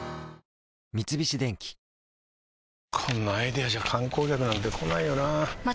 三菱電機こんなアイデアじゃ観光客なんて来ないよなあ